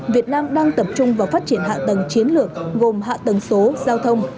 việt nam đang tập trung vào phát triển hạ tầng chiến lược gồm hạ tầng số giao thông